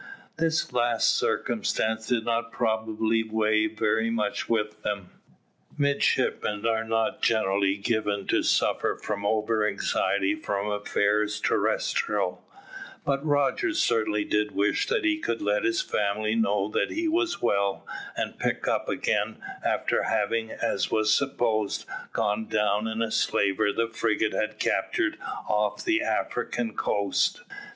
This last circumstance did not probably weigh very much with them. Midshipmen are not generally given to suffer from over anxiety from affairs terrestrial; but Rogers certainly did wish that he could let his family know that he was well, and picked up again, after having, as was supposed, gone down in a slaver the frigate had captured off the African coast.